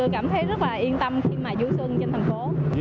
tôi cảm thấy rất là yên tâm khi mà vui xuân trên thành phố